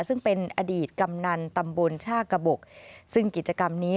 ซึ่งเป็นอดีตกำนันตำบลชากระบกซึ่งกิจกรรมนี้